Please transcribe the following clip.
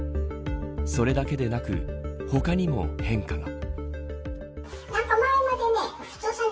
それだけでなく他にも変化が。